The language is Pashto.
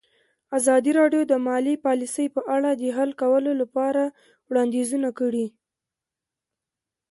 ازادي راډیو د مالي پالیسي په اړه د حل کولو لپاره وړاندیزونه کړي.